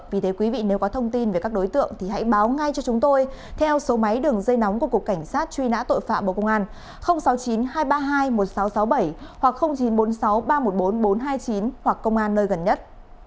vì thế quý vị nếu có thông tin về các đối tượng thì hãy báo ngay cho chúng tôi theo số máy đường dây nóng của cục cảnh sát truy nã tội phạm bộ công an sáu mươi chín hai trăm ba mươi hai một nghìn sáu trăm sáu mươi bảy hoặc chín trăm bốn mươi sáu ba trăm một mươi bốn nghìn bốn trăm hai mươi chín hoặc công an nơi gần nhất